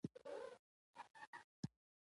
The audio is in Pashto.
یوه لویه تخته په لاس راغلې وه.